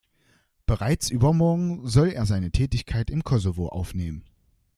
Bereits übermorgen soll er seine Tätigkeit im Kosovo aufnehmen.